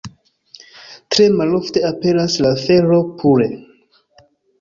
Tre malofte aperas la fero pure.